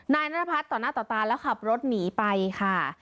นายนัทพัฒน์ต่อหน้าต่อตาแล้วขับรถหนีไปค่ะ